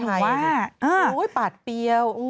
อุ๊ยปากเปรี้ยว